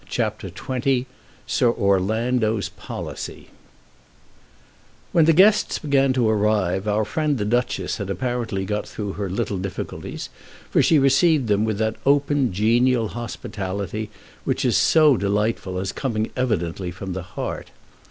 CHAPTER XX Sir Orlando's Policy When the guests began to arrive our friend the Duchess had apparently got through her little difficulties, for she received them with that open, genial hospitality which is so delightful as coming evidently from the heart.